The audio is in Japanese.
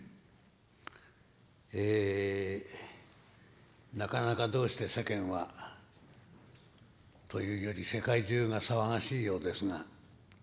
ええなかなかどうして世間はというより世界中が騒がしいようですが。